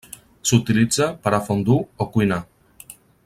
S'utilitza per a fondue o cuinar.